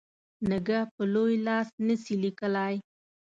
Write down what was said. نږه په لوی لاس نه سي لیکلای.